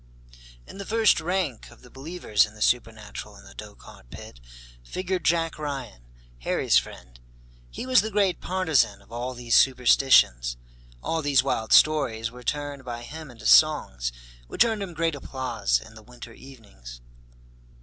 In the first rank of the believers in the supernatural in the Dochart pit figured Jack Ryan, Harry's friend. He was the great partisan of all these superstitions. All these wild stories were turned by him into songs, which earned him great applause in the winter evenings.